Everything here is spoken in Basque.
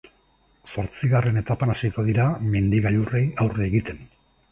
Zortzigarren etapan hasiko dira mendi gailurrei aurre egiten.